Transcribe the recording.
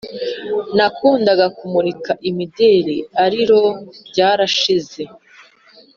Nakundaga kumurika imideli arilo bbyarashize